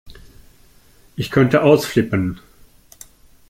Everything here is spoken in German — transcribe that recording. Ich könnte ausflippen!